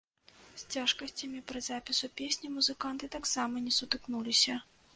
З цяжкасцямі пры запісу песні музыканты таксама не сутыкнуліся.